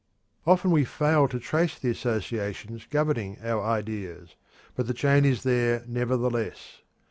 Often we fail to trace the associations governing our ideas, but the chain is there nevertheless.